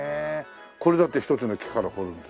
これだって一つの木から彫るんでしょ？